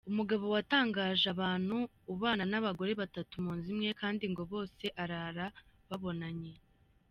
Umugabo watangaje abantu ubana n’abagore batatu munzu imwe kandi ngo bose arara babonanye.